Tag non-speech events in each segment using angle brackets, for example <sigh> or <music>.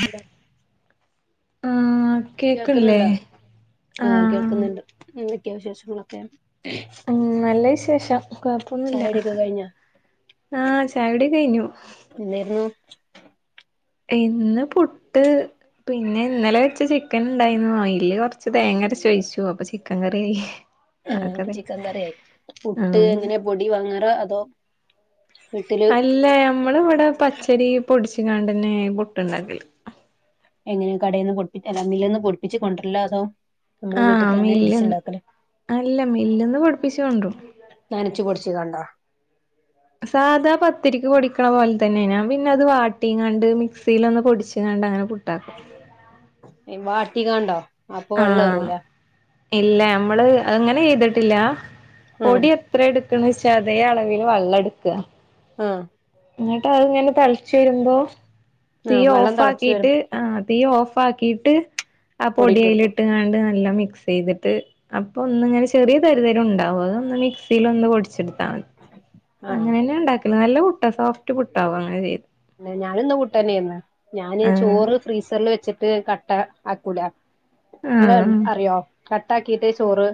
Hello ആഹ് കേക്ക്ൺല്ലേ കേൾക്കുന്നുണ്ടോ.. ആഹ് കേൾക്കുന്നുണ്ട് <unintelligible> വിശേഷങ്ങളൊക്കെ ഉം നല്ല വിശേഷം.. കൊഴപ്പൊന്നുല്ല ചായടിയൊക്കെ കഴിഞ്ഞാ ആഹ് ചായുടിയൊ കഴിഞ്ഞു എന്തായിരുന്നു ഇന്ന് പുട്ട് പിന്നെ ഇന്നലെ വെച്ച ചിക്കൻ ഉണ്ടായിന്നു.. അയില് കൊറച്ച് തേങ്ങരച്ചൊഴിച്ചു.. അപ്പൊ ചിക്കൻ കറിയായി ആ അപ്പൊ അതൊക്കെതെ ചിക്കൻ കറ്യായി പുട്ട് ആഹ് എങ്ങനെ പൊടി വാങ്ങാറാ അതോ വീട്ടില് അല്ല നമ്മള് ഇവിടെ പച്ചരി പൊടിച്ച്ങ്ങാണ്ടെന്നെ പുട്ടുണ്ടാക്കല് എങ്ങനെയ കടേന്ന് പൊടിപ്പി അല്ല മില്ല്ന്ന് പൊടിപ്പിച്ച് കൊണ്ടരലോ അതോ നമ്മള് ആഹ് വീട്ട്തന്നെ മില്ല് ഇടിച്ചുണ്ടാക്കല്............ അല്ല മില്ല്ന്ന് പൊടിപ്പിച്ച് കൊണ്ട്രും നനച്ചു കൊടു ച്ങ്ങാണ്ടാ സാധാ പത്തിരിക്ക് പൊടിക്കണ പോലെതന്നെ.. ഞാൻ പിന്നത് വാട്ടിങ്ങാണ്ട് മിക്സീലൊന്ന് പൊടിച്ച്ങ്ങാ ണ്ടങ്ങനെ പുട്ടാക്കും എ വാട്ടീങ്ങാണ്ടോ ആഹ്.. ഇല്ല.. അമ്മള് അങ്ങനെ ചെയ്തിട്ടില്ല.. ആഹ് പൊടി എത്ര എടുക്കണ്ച്ചാ അതേ അളവിൽ വള്ളെട്ക്ക ആഹ് എന്നിട്ട് അത്ങ്ങനെ തളച്ചരുമ്പോ തീ ആഹ് വെള്ളം ഓഫ് തിളച്ചു വരും ആക്കീട്ട് ആ തീ ഓഫ് ഫാക്കീട്ട് ആ പൊടിയിട്ട് പൊടിയയിൽ കൊടുക്കും ഇട്ട്ങ്ങാണ്ട് നല്ല മിക് ക്സെയ്തിട്ട് അപ്പൊ ഒന്നിങ്ങനെ ചെറിയ തരിതരം ഉണ്ടാവും.. അതൊന്ന് മിക്സിലൊന്ന് പൊടിച്ചെടു ആഹ് അങ്ങനെന്ന ഇണ്ടാക്കല് നല്ല പുട്ടാ സോഫ്റ്റ് പുട്ടാവും അങ്ങനെ ചെയ് ഞാനൂന്ന് പുട്ടെന്നേർന്ന്.. ഞാന് ആഹ് ചോറ് ഫ്രീസറിൽ വെച്ചി ത് കട്ട ആക്കൂല.. ആഹ് <unintelligible> അറിയോ കട്ട ആക്കീട്ട് ചോറ്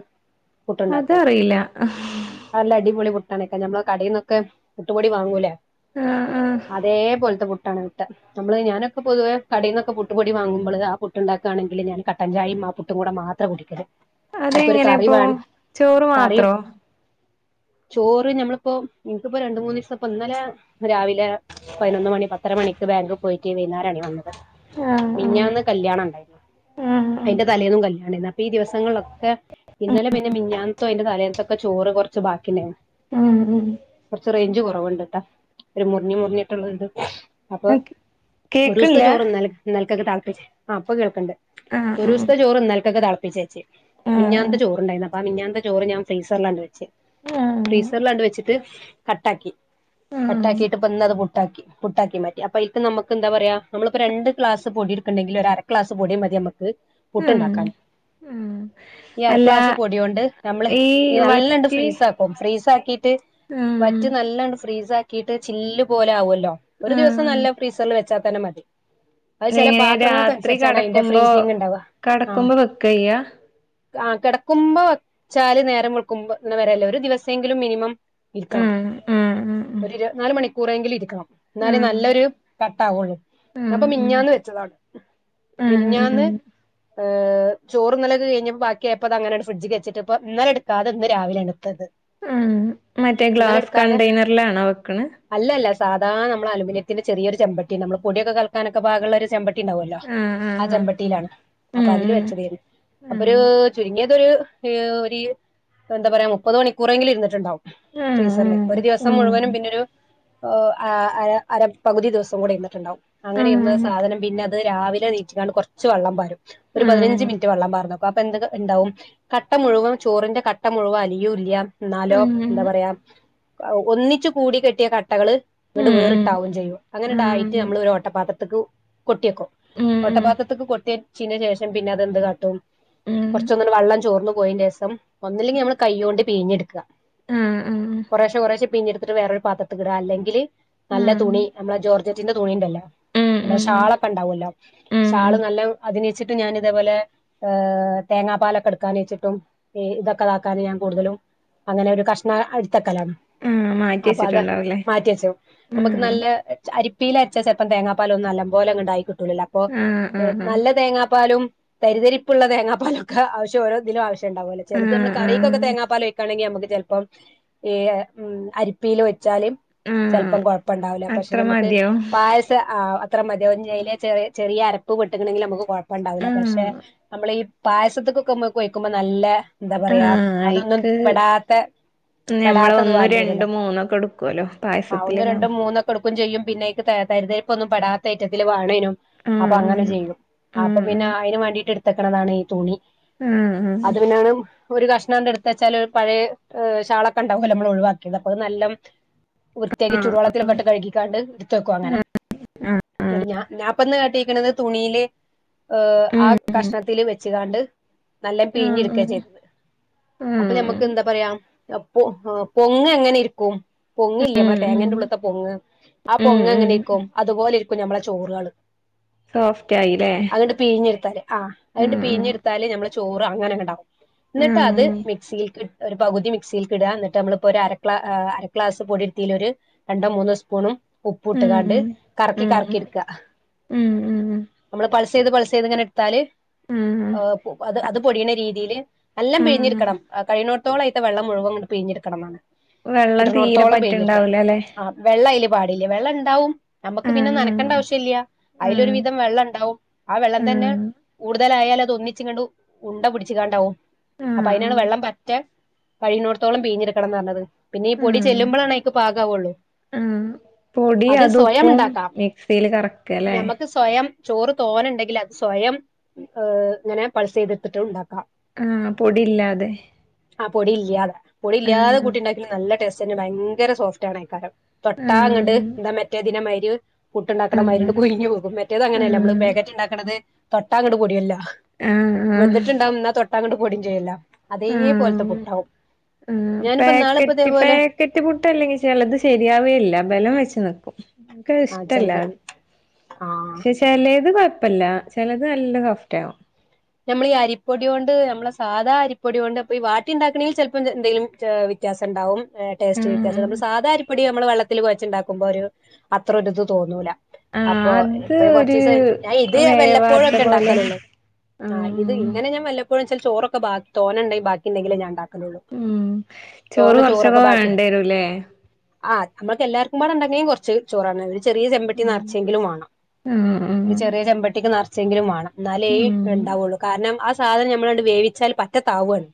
പുട്ട്ണ്ടാക്കും.. അതറിയില്ല അല്ല അടിപൊളി പു <unintelligible> ക്ക നമ്മൾ കടേന്നൊക്കെ പുട്ടുപൊടി വാങ്ങൂലേ ആ... ആ.. അതേപോൽത്തെ പുട്ടാണ് കിട്ടാ.. നമ്മള് ഞാനൊക്കെ പൊതുവെ കടേന്നൊക്കെ പുട്ടു പൊടി വാങ്ങുമ്പള് ആ പുട്ട്ണ്ടാക്കാണെങ്കില് ഞാൻ കട്ടൻചായും ആ പുട്ടും കൂടെ മാത്ര കുടിക്കല് അയ്ക്കൊരു കറി അതെങ്ങനെപ്പൊ.. വേണം ചോറ് കറി മാത്രോ ചോറ് ഞമ്മളിപ്പോ ഇൻക്ക്പ്പോ രണ്ട് മൂന്നീസിപ്പൊ ഇന്നലെ രാവിലെ പതിനൊന്ന് മണി പത്തര മണിക്ക് ബാങ്ക് പോയിട്ട് വൈന്നേരാണെ വന്നത് ആഹ് ആഹ് മിഞ്ഞാന്ന് കല്യാണം ഇണ്ടായിനു ആഹ് ആഹ് അയിന്റെ തലേന്നും കല്യാണേനു. അപ്പൊ ഈ ദിവസങ്ങൾളൊക്കെ ഇന്നലെ പിന്നെ മിഞ്ഞാൻത്തും അയിന്റെ തലേ ഒക്കെ ചോറ് കൊറച്ച് ബാക്കിണ്ടേയ്നു.. ഉം ഉം കൊറച്ച് റേഞ്ച് കൊ കുറവണ്ട്ട്ടാ.. ഒരു മുറിഞ്ഞ് മുറിഞ്ഞിട്ടുള്ള ഇത് അപ്പൊ ഒരു ദിവസത്തെ കേക്ക്ണില്ല ചോറ് ഇന്നലെ ഇന്നലെ <inaudible> തളപ്പിച്ച് ആ ഇപ്പൊ കേൾക്ക്ണ്ട്.. ആഹ് ആഹ് ഒരൂസ്ത്തെ ചോറ് ഇന്നൽക്കെക്ക് തളപ്പിച്ചെച്ച് ആഹ് മിഞ്ഞാത്തെ ചോറുണ്ടായിനു അപ്പ ആ മിഞ്ഞാത്തെ ചോറ് ഞാൻ ഫ്രീസറിലാണ്ട് വെച്ച് ആഹ് ആഹ് ഫ്രീസറിലാണ്ട് വെച്ചിട് ട്ട് കട്ടാക്കി... ആഹ് കട്ടാക്കിട്ട്പ്പന്നത് ക്കി പുട്ടാക്കിമാറ്റി... അപ്പൊ ഐക്ക് നമക്കെന്താ പറയാ.. നമ്മള്‌പ്പോ രണ്ട് ക്ലാസ് പൊടിട്ക്ക്ണ്ടെങ്കിൽ ഒരരക്ലാസ് പൊടി മതി... നമക്ക് ഉം പുട്ട്ണ്ടാക്കാൻ. ഉം ഈ അല്ല അരക്ലാസ് പൊടിയോണ്ട് നമ്മള് ഈ ഇ നല്ലണ്ട് വറ്റ് ഫ്രീസാക്കും ഫ്രീസാ ട്ട് ആഹ് വറ്റ് നല്ലണ്ട് ഫ്രീസാക്കീട്ട് ചില്ല് പോലെ ആവൊല്ലോ. ഒരു ദിവസം ആഹ് നല്ല ഫ്രീസറിൽ വെച്ചാത്തന്നെ മതി. അത് ചെല എങ്ങനെ രാത്രി പാത്രങ്ങൾക്കനുസരിച്ചാണ് അയ്ൻ്റെ കടക്കുമ്പോ ഫ്രീസിങ്ണ്ടാവ... ആ.. കടക്കുമ്പോ വെക്ക ചെയ്യാ ആ കെട്ക്കുമ്പോ വെച്ചാല് നേരം വേൾക്കുബ്ന്ന വരെല്ലേ ഒരു ദിവസേങ്കിലും മിനിമം ഇരിക്കണം, ആഹ് ആഹ് ആഹ് ഒരിര്വത്ത്നാല് മണിക്കൂറെങ്കിലും ഇരിക്കണം. എന്നാലെ ആഹ് നല്ലൊരു കട്ട ആകൊള്ളൂ... ആഹ് ഞാപ്പൊ ആഹ് മിഞ്ഞാന്ന് വെച്ചതാണ്. ഉം.. ഉം അ് ചോറ്ന്നലൊക്കെ കഴിഞ്ഞപ്പോ ബാക്കിയയപ്പോ തങ്ങനെണ് ഫ്രിഡ്ജ്കെച്ചിട്ട്പ്പോ ഇന്നലെടുക്കാതെ ഇന്ന് രാവിലെ ടുത്തത്. ഉം മറ്റേ ഗ്ലാസ് കണ്ടെയ്നറിലാണോ വെക്ക്ണ്? അല്ലല്ല സാധാ നമ്മള അലുമിനിയത്തിൻ്റെ ചെറിയൊരു ചെമ്പട്ടിണ്ട്, നമ്മൾ പൊടിയൊക്കെ കൽക്കാനൊക്കൊ പാകള്ളൊരു ചെമ്പട്ടി ണ്ടാവുല്ലോ ആഹ് ആ ആഹ് ചെമ്പട്ടിയിലാണ്. ആഹ് അപ്പൊ ഉം അതില് വെച്ചതേരുന്നു. അപ്പൊരൂ ഉം ചുരുങ്ങിയ ഇതൊരു ഒരു എന്താ പറയാ മുപ്പത് മണിക്കൂറെങ്കിലും ഇരുന്നിട്ടുണ്ടാവും. ആഹ് ഫ്രീസറില് ഒരു ആഹ് ദിവസം മുഴുവനും, ആഹ് പിന്നൊരു ഒ ആ അര അരപ്പകുതി ദിവസം കൂടെ ഇന്നിട്ടുണ്ടാവും, അങ്ങനെ ഇരുന്ന ആഹ് സാധനം പിന്നെ ത് രാവിലെ നീച്ച്ക്കാണ്ട് കൊറ്ച്ച് വള്ളം പാരും, ഒരു ആഹ് പതിനഞ്ച് മിനിറ്റ് ആഹ് വള്ളം പാർ അപ്പാപ്പെന്ത് ക് ഇണ്ടാവും കട്ട മുഴുവൻ ചോറിന്റെ കട്ട മുഴുവൻ അലിയൂല്യ. ആഹ് ഇന്നാലോ ഉം എന്താ ഉം പറയാ ഒന്നിച്ച് കൂടി കെട്ടിയ ക ട്ടകൾ ഇണ്ട് വേറിട്ടാവും ചെയ്യും. ആഹ് അങ്ങനെണ്ടായിട്ട് നമ്മൾ ഒരു ഓട്ടപ്പാത്രത്ത്ക്ക് കൊട്ടിയെക്കും. ഉം ഉം ഉം ഓട്ടപാത്രത്ത്ക്ക് കൊട്ടിയച്ചിൻ്റെ ശേഷം പിന്നെ അതെന്ത് കാട്ടും ആഹ് കുറച്ചൊന്ന് വള്ളം ചോർന്നു പോയിൻ്റേഷം ഒന്നല്ലെങ്കിൽ നമ്മൾ കൈയ്യോണ്ട് പീഞ്ഞെടുക്ക. ആഹ് ആഹ് കുറെശെ കുറേശെ പീഞ്ഞെടുത്തിട്ട് വേറൊരു പാത്രത്ത്ക്ക്ട, അല്ലെങ്കില്- നല്ല ഉം തുണി നമ്മളെ ജോർജറ്റിന്റെ തുണീണ്ടല്ലാ ഉം നമ്മുടെ ഉം ഷാളൊക്കെ ഉണ്ടാവല്ലോ, ഉം ഷാള് ഉം നല്ല അതിനേച്ചിട്ട് ഞാനിതേപോലെ ഒ തേങ്ങാ പാലൊക്കെ ഇട്ക്കാനയ്ച്ചിട്ടും അ് ഇതൊക്കെതാക്കാന് ഞാൻ കൂടുതലും അങ്ങനെ ഒരു കഷ്ണ ഇട്ത്തക്കലാണ്. മാറ്റിവെച്ചിട്ടുണ്ടോ? മാറ്റിവെച്ചു. നമുക്ക് നല്ല അരിപ്പീല് അരച്ച ചെൽപ്പം തേങ്ങാപ്പാലൊന്നും നല്ലമ്പോലെ ഇങ്ങടായിക്കിട്ട് ട്ടൂലല്ലാ അപ്പൊ ആഹ് ആഹ് ആഹ് നല്ല തേങ്ങാപ്പാലും തരി തരിപ്പുള്ള തേങ്ങാപ്പാലൊക്കെ ആവശ്യ ഓരോതിലു ആവശ്യ ണ്ടാവോലോ ചെല്തമ്മൾ ആഹ് കറീകൊക്കെ ആഹ് തേങ്ങാ പാലെഴിക്കാണെങ്കി നമുക്ക് ചെൽപ്പം ഈ ഉം അരിപ്പീലു ച്ചാല് ആഹ് ചെൽപ്പം കൊഴപ്പുണ്ടാവൂല, പക്ഷെ അത്ര ഞമക് മതിയോ പായസ ആ ത്രമതിയാവും ഞ്ഞ് അയ്ല് ചെറി ചെറിയ അരപ്പ് പെട്ട്ക്ക് ണങ്കില് നമുക്ക് കൊഴപ്പണ്ടാവുല്ല. പക്ഷെ ആഹ് നമ്മൾഈ പായസത്ത് ത്ത്മ്മക്കൊയിക്കുമ്പോ നല്ല എന്താ പറയാ ആഹ് അതൊന്നും അയിക്ക് പെടാത്തെ ഞമ്മള് പെടാത്തത് ഒന്നും വാണ്ടിരോല്ലോ. രണ്ടും മൂന്നൊക്കെ എടുക്കുവല്ലോ ആ ഒന്ന് പായസത്തിലൊക്കെ രണ്ടും മൂന്നൊക്കെടുക്കും ചെയ്യും, പിന്നെയ്ക്ക് ത തരിതരിപ്പൊന്നും പെടാത്ത ഐറ്റത്തിൽ വേണേനും. അപ്പ അങ്ങനെ ആഹ് ചെയ്യും. അപ്പൊ ആഹ് പിന്നെ അയിനും വേണ്ടീട്ട്ട്ത്തക്കണതാണ് ഈ തുണി. ഉം ഉ... അത് പിന്നാണ് ഒരു കഷ്ണണ്ട്ട്ത്തച്ചാല് ഒരു പഴയ ഏ് ഷാളൊക്കുണ്ടാവോലോ നമ്മൾ ഒഴിവാക്കിയത്, അപ്പൊ അത് നല്ല വൃത്തിയാക്കി ചൂടുവെള്ളത്തിലൊക്ക്ട്ട് കഴുകിക്കാണ്ട് ഇട്ത്തക്കു അങ്ങനെ ന്നിട്ട് ഞാ ഞാപ്പന്നാട്ടി ക്ക്ണ്ത് തുണിയില് ഓ ആ ഉം ഉം കഷ്ണത്തിൽ വെച്ചുകാണ്ട് നല്ല ആഹ് പിഴിഞ്ഞെടുക്ക ആഹ് ചെയ്തത്. അപ്പൊ ആഹ് ഞമക്കെന്താ പറയാ അ പൊ പൊങ്ങ് എങ്ങനെ ഇരിക്കും? പൊങ്ങില്ലേ ഉം നമ്മളെ ഉം തെങ്ങേൻ്റെ ഉള്ളത്തെ പൊങ്ങ്, ആ ഉം പൊങ്ങങ്ങനെ ഉം ഇരിക്കും അതുപോലെ ഇരിക്കും ഞമ്മളെ ചോറാള്. സോഫ്റ്റ് ആയില്ലേ അത്ട് പീഞ്ഞെടുത്താല് ആ അത് ഉം ഉം പീഞ്ഞെടുത്താല് ഞമ്മള് ചോറ് അങ്ങനെങ്ങടാവും, ന്നിട്ട് അത് ആഹ് മിക്സീക്കി ഒരു പകുതി മിക്സീലീക്കിട ന്നിട്ടമ്മളിപ്പോ ഒരു അരക്ലാ ആ അര ഗ്ലാസ് പൊടിയിടുത്തിലൊര് രണ്ടോ മൂന്നോ സ്പൂണും ഉപ്പു ഉം ഇട്ടുകാണ്ട് കറക്കി ഉം കറക്കിടുക്ക ഉം ഉം നമ്മള് പൾസെയ്ത് പൾസെയ്ത് ഇങ്ങനെ എടുത്താല് ഉം അ അത് അത് പൊടിയണ രീതീല് നല്ലാം ആഹ് പിഴിഞ്ഞിടുക്കണം കഴിയണോടത്തോളായിട്ട് വെള്ളം മുഴുവൻ പിഴിഞ്ഞെടുക്കണംന്നാണ് വെള്ളം തീരെ കിട്ടണോടത്തോളം പിഴഞ്ഞിടക്കണം പറ്റ്ണ്ടാവൂലല്ലേ ആ വെള്ള പാടില്ല വെള്ളം ഇണ്ടാവും ഞമുക്ക് പിന്നെ ആഹ് നനക്കണ്ട ആവശ്യം ഇല്ല്യ ആഹ് അയിലൊരുവിധം ആഹ് വെള്ളം ഇണ്ടാവും ആ വെള്ളം തന്നെ കൂടുതലായാല് അത് ഒന്നിച്ചിങ്ങണ്ട് ഉണ്ട പിടിച്ച് കാണ്ടാവും ആഹ് അപ്പൊ അയിനാണ് ആഹ് വെള്ളം പറ്റെ കഴിയിണോടത്തോളം പീഞ്ഞെടുക്കണംന്ന് പറഞ്ഞത് പിന്നെ ഈ പൊടി ആഹ് ചെല്ലുമ്പളാണ് അനിക്ക് പാകാവുള്ളൂ ആഹ് പൊടി അത് അതും സ്വയം ഉപ്പും ഉണ്ടാക്കാം മിക്സിയില് കറക്കല്ലേ ഞമ്മുക്ക് സ്വയം ചോറ് തോനുണ്ടെങ്കിൽ അത് സ്വയം ഏ ഇങ്ങനെ പൾസ ചെയ്തെത്തിട്ട് ഉണ്ടാക്കാം ആഹ പൊടില്ലാതെ ആ പൊടി ഇല്ലാതെ പൊടി ഇല്ലാതെ കുട്ടിണ്ടാക്കങ്കും നല്ല ടേസ്റ്റ് തന്നെ ഭയങ്കര സോഫ്റ്റ് ആണ് ആക്കാരം തൊട്ടാങ്ങണ്ട് ആഹ് എന്താ മറ്റേ ദിനമാര് പുട്ടുണ്ടാക്കണ മരി ണ്ട് ആഹ് കുഴിഞ്ഞു പോകും മറ്റേത് അങ്ങനെയല്ല ആഹ് നമ്മള് പാക്കറ് ഉണ്ടാക്കണത് തൊട്ട അങ്ങട്ട പടിയില്ല ആഹ് ആഹ് ആഹ് വെന്തിട്ടുണ്ടാവും എന്നാ തൊട്ടാ അങ്ങോട്ട് പൊടിയും ചെയ്യില്ല അതേ പോലത്തെ പുട്ടാവും ഞാനിപ്പോ ഇനാളെ ഈ പാക്കറ്റ് പുട്ടല്ലെങ്കിൽ ചിലത് ശരിയാവേയില്ല ബലം വെച്ച്നിക്കും എനക്ക് ആ ഇഷ്ടല്ല ചിലത് അത് ആ പക്ഷെ ചിലത് പ കുഴപ്പല്ല ചിലത് നല്ല കഫ്റ്റയാവും നമ്മൾ ഈ അരിപ്പൊടി കൊണ്ട് നമ്മളെ സാധാ അരിപ്പൊടി കൊണ്ട്പ്പ ഈ വാട്ടി ഉണ്ടാക്കണമെങ്കിൽ ചിലപ്പോ എന്തെങ്കിലും വ്യത്യാസം ഉണ്ടാവും ടേസ്റ്റ് വ്യത്യാസം ആഹ് നമ്മ സാധാരിപ്പൊടി നമ്മള് വെള്ളത്തിൽ കൊഴച്ചുണ്ടാക്കുമ്പോൾ ഒരു അത്ര ഒരുരിത് തോന്നൂല ആഹ് അപ്പൊ അത് ഇപ്പൊ കൊറച്ച ഒരു ദിവസം ഞാൻ ഇത് വെല്ലപ്പോഴും വേവാത്ത ഒക്കെ പോലെ ഉണ്ടാക്കാലള്ളു ആഹ ആഹ് ഇങ്ങനെ ഞാൻ വല്ലപ്പോഴും ചില ചോറൊക്കെ തോനഉണ്ടങ്കിൽ ബാക്കിഉണ്ടങ്കില ഞാ ഉണ്ടാക്ക ഉം ചോറ് തോന്ന ചോറൊക്കെ കൊറച്ചൊക്കെ ബാക്കി വേണ്ടിരൂല്ലേ ആ നമ്മക്ക് എല്ലാവർക്കും കൂടെ ഉണ്ടെങ്കും കുറച്ച് ചോറാണ് ചെറിയ ചെമ്പട്ടി ഉം നിറച്ചെങ്കിലും വേണം ഉം ഉം ഒരു ചെറിയ ചെമ്പട്ടിക്ക് നിറച്ചെങ്കിലും വേണം എന്നാല ഉം ഉണ്ടാവുള്ളൂ കാരണം ആ സാധനം നമ്മളണ്ട് വേവിച്ചാൽ പറ്റത്താവുകാണ്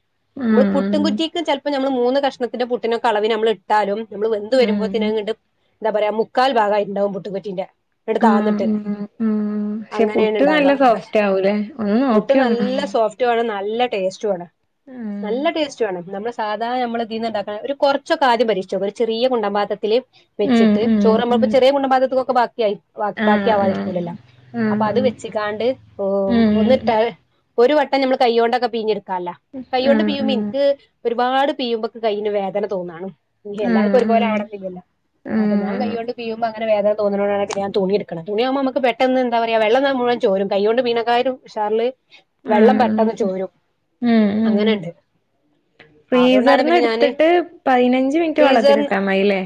നമ്മൾ പുട്ടും ഉം കുറ്റിക്കിക്കും ചിലപ്പോ നമ്മൾ മൂന്ന് കഷ്ത്തിന്റെ പുട്ടിനെക്കെളവി നമ്മൾ ഇട്ടാലും നമ്മള് വെന്ത് ഉം വരുമ്പോത്തിനെ കണ്ട് എന്താ പറയാ മുക്കാൽ ഭാഗമായിട്ടുണ്ടാവും പൂട്ടുകുറ്റിന്റെ എടു താന്നിട്ട് ഉം ഉം പക്ഷെ അങ്ങനെയണ പുട്ട് ഇണ്ടാവ നല്ല ക്ക സോഫ്റ്റ് ആവൂലേ ഒന്ന് പുട്ട് നോക്കി നോക്കണം നല്ല സോഫ്റ്റ് വണ് നല്ല ടേസ്റ്റണ് ഉം നല്ല ടേസ്റ്റ് വാണ് നമ്മ സാധാരണ നമ്മള്തിന്നന്ന് ഉണ്ടാക്കണ ഒരു കുറച്ചൊക്കെ ആദ്യം പരീക്ഷിച്ചു ഒരു ചെറിയ കുണ്ടമ്പാത്തത്തില്ൽ ഉം വെച്ചിട്ട് ഉം ഉം നമ്മപ്പ ചെറിയ മുണ്ടാപാത്രതിക്കൊക്കെ ബാക്കി ആയി് ആഹ് ആഹ് ബാക്കിആവാതിരികുലല്ലോ അപ്പൊ ആഹ് അത് ആഹ് വെച്ചിക്കാണ്ട് ഉം ഒന്നിട്ട ഒരു വട്ടം നമ്മൾ കൈ കൊണ്ടൊക്കെ പിഞ്ഞെടുക്കാല്ല കൈ്യ കൊണ്ട് ആഹ് പിയുമ്പോ ആഹ് എനിക്ക് ഒരു ഒരുപാട് പീയുമ്പൊക്ക കൈയിൽ വേദന തോന്നാണ് ഇല്ല എല്ലാർക്കും ഒരുപോലെ ആഹ് ആണെന്നില്ലല്ല അപ്പ ഞാൻ ആഹ് കൈകൊണ്ട് പീയുമ്പ വ വേദനോന്നോാണ് ഞാ തുണി എടുക്കണം തുണിയകുമ്പ നമുക്ക് പെട്ടെന്ന് എന്താ പറയയുക വെള്ള മുഴൻ ചോരും കൈ കൊണ്ട് മീനക്കാരും ഉഷാറില് വെള്ളം ആഹ് പെട്ടെന്ന് ചോരും ഉം ഉം അങ്ങനെുണ്ട് ഫ്രീസർന്ന് എടുത്തിട്ട് പതിനഞ്ച് മിനിറ്റ് ഫ്രീസർ വള്ളത്തിട്ടാ മയില്ലേ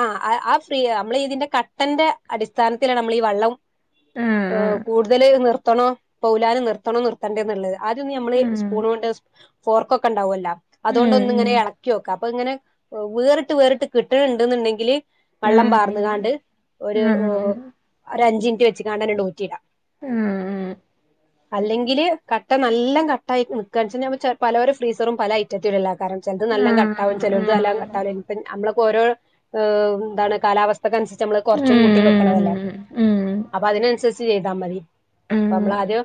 ആ ആ ഫ്രീ നമ്മൾ ഇതിന്റെ ഈ കട്ടന്റെ അടിസ്ഥാനത്തിലാണ് നമ്മൾ ഈ വള്ളം ആഹ് ഏ ആഹ് കൂടുതല് നിർത്തണോ പോലാ നിർത്തണോ നിർത്തണ്ട എന്നുള്ളത് ആദ്യൊന്ന് നമ്മള് ആഹ് സ്പൂണ് കൊണ്ട് ഫോർക്കൊക്കെ ഉണ്ടാവുമല്ലോ അതുകൊണ്ടൊന്ന ഇങ്ങനെ ഇളക്കിനോക്കാം അപ്പൊ ഇങ്ങനെ വേറിട്ട് വേറിട്ട് കിട്ടനുണ്ട് എങ്കില് വള്ളം പാർന്നുകാണ്ട് ഒരു ഒ അഞ്ചിനിറ്റ് വെച്ചക്കാണ്ട്ന്നെ ഡോറ്റിടാം ആ ആ അല്ലെങ്കില് കട്ട നല്ലാം കട്ടായി നക്കുക വെച്ച പലരുടെ ഫ്രീസറും പല ഐറ്റത്തിലല്ലും കാരം ചെൽത് നല്ലം കട്ടാവും ചെലൊൽത് നല്ലം കട്ടാവുല നമ്മളൊക്ക ഓരോ ഏ ന്താണ് കാലാവസ് ത്തക്കൻസര്ച്ച് നമ്മള് കൊർച്ചും കൂട്ട്യു വെക്കണതല്ലേ അപ്പൊ അതിനൻസര്ച്ച് ചെയ്താ മതി പ്പ നമ്മള് ആദ്യം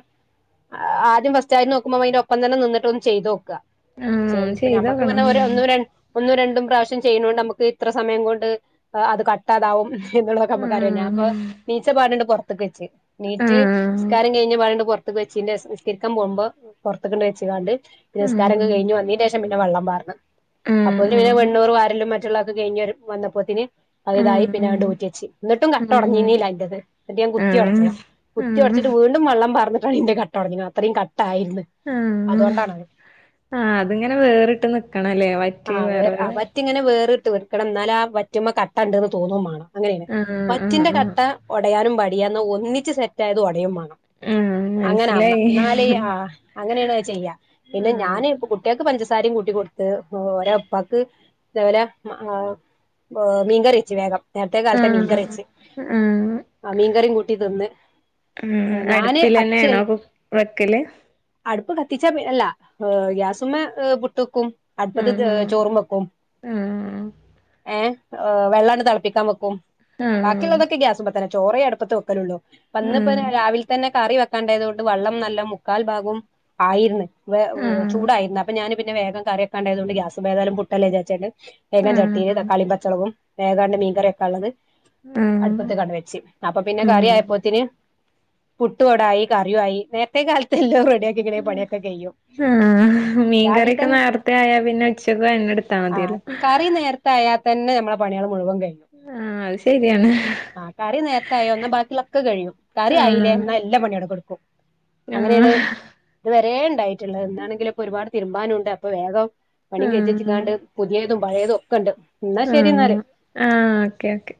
ആദ്യം ഫസ്റ്റ് ആയ് നോക്കുമ്പോ അയ്ന്റ ഒപ്പം തന്നെ നിന്ന്ട്ടൊന്ന് ചെയ്തോക്ക ചെൽപ്പ ഞമ്മക്ക് ചെയ്തോക്കണം പർഞ്ഞ ഒരു ഒന്നും രണ് ഒന്നു രണ്ടും പ്രാവ്ശ്യം ചെയ്യണോണ്ട് അമ്മക് ക്ക്‌ ഇത്ര സമയം കൊണ്ട് അത് കട്ടാതാവും എന്നുള്ളതൊക്കെ അമ്മക്ക് അറിയ ആഹ് ഞാപ്പൊ ണീച്ച പാടണ്ട് പൊർ ത്ക്കെച്ച് ണീറ്റ് ന്സ്കാരം കഴിഞ്ഞപാടണ്ട് പൊർ ക്ക്‌ വെച്ചിന്റെ സ്കര്ക്കാൻ പോവ്മ്പോ പൊർത്ത്ക്ക്‌ണ്ട് വെച്ചിങ്ങാണ്ട് പിന്ന ഉം സ്കാരൊക്കെ കയ്ഞ്ഞ് വെന്നേന്റെഷം പി ന്നെ വെള്ളം പാർന്ന് ഉം അപ്പോൊ ന്നെ വള്ളം പാർന്ന് അപ്പൊ പിന്നെ ഉം വെണ്ണൂറ് വാരലും മറ്റുള്ളൊക്ക കയ്ഞ്ഞ് ഒര് വന്നപ്പോത്തിന് അത് ഇതായി പിന്നാണ്ട് ഉം ഊറ്റിയെച്ചി ന്ന്ട്ടും കട്ട ഉം ഒടഞ്ഞിനീല്ല അയ്ന്റത് ന്നിട്ട് ഞാൻ ആഹ് കുത്തി ആഹ് ഒടച്ചതാ കുത്ത്യോട്ച്ചിട്ട് വീണ്ടും വള്ളം പാർന്ന്ട്ടാണ് ഇന്റെ കട്ടൊട്ഞ്ഞത് അത്രയും കട് ട്ടായിര്ന്ന് ആഹ് അതുകൊണ്ടാണത് ആഹ് അതിങ്ങനെ വേറിട്ട് ന്ക്കണല്ലേ വറ്റി വേറെ വേറേ ട്ട് ന്ക്കണം ന്നാലാ വറ്റുമ്പൊ കട്ടണ്ട്ന്ന് തോന്നും മാണം അങ്ങനെണ് ആഹ് ആഹ് വറ്റിന്റെ ആഹ് കട്ട ഒടയാനും പ ടിയന്ന ഒന്നിച്ച് സെറ്റ ആയത് ഒടയും മാ ണം. ആഹ് അങ്ങന ആവണം മനസ്സിലായി ന്നാല് ആ അങ്ങനെണ് അവ് ചെയ്യാ പിന്നെ ഞാന് ആഹ് കുട്ട്യക്ക് പഞ്ചസ സാരേം കൂട്ടികൊട്ത്ത് ഓരോ പ്പാക്ക് തേപോലെ മ് ആ മീൻങ്കറി വെച്ച് വേഗം നേര്ത്തെ കാൽത്തെ ആഹ് മീൻകറി യെച്ച് ആഹ് ആ മീൻകറി കൂട്ടി തിന്ന് ഉം ഞാന് അച്ചൽ അടുപ്പിലെന്നെണോ വെക്കല് അടുപ്പ് കത്തിച്ചാ പി അല്ല എ ഗ്യാസുമ്മെ എ പുട്ടക്കും അടുപ്പത്ത് ത് ആഹ് ഏ ചോറും വെക്കും. ആഹ് ഏഹ് എ വെള്ളണ് തെൾപ്പിക്കാൻ വെക്കും ആഹ് ബാക്കിള്ളതൊക്കെ ഗ്യാസുമ്മത്തന്നെ ചോറേ അട്പ്പത്ത് വെക്കലുള്ളൂ പ്പന്ന് പ്പനെ ആഹ് രാവിൽ തന്നെ കറി വെക്കണ്ടതോണ്ട് വള്ളം നല്ല മുക്കാൽ ഭാഗവും ആയിര്ന്ന് വെ ആഹ് ചൂടായിര്ന്ന് അപ്പ ഞാന് പിന്നെ വേഗം കറിയക്കാണ്ടയ്തോണ്ട് ഗ്യാസ് പ്പേതാലും പുട്ടല്ലേ ചാര്ചാണ്ട് വേഗം ചട്ടിയില് ആഹ് തക്കാളീം പച്ചൊളകും ഏതാണ്ട് മീൻകറിയെക്കള്ളത് ആഹ് അട്പ്പത്ത്ക്കാട് വെച്ചി അപ്പൊ പിന്നെ ഉം കറിയായ്പ്പോത്തിന് പുട്ടുവടായി കറിയുവായി നേര്ത്തെ കാൽതെ എല്ലോ റെ ആ രാവിലെ മീൻകറിയൊക്കെ തന്നെ നേര്ത്തെ ആയാ പിന്നെ ഉച്ചക്കു അഎന്നെട്ത്താ മതി ആ കറി നേര്ത്തായാ തെന്നെ നമ് ള്ള പണിയൾ മുഴുവൻ കയ്ഞ് ആഹ് അത് ശരിയാണ് ആ കറി നേര്ത്തായ ന്ന ബാക്കിള്ളൊക്ക കഴിയു കറി ആയിലേ ആഹ് ന്നാ എല്ലാ പണിയു ആട കട്ക്കും ആഹ് അങ്ങനെണ് ത് വരെ ണ്ടായി ട്ട്ള്ളെ ന്നാണെങ്കില് പ്പൊ ഒരുപാട് തിര്മ്പാനുണ്ട് അപ്പൊ വേഗം പണി ആഹ് കെയ്ചെച്ചിങ്ങാണ്ട് പുതിയെ തും പഴെതു ഒക്ക ണ്ട് ആഹ് ആ ഓക്കെ ഓക്കെ